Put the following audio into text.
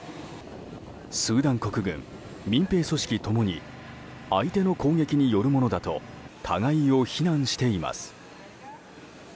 スーダン国軍、民兵組織共に相手の攻撃によるものだと互いを非難しています。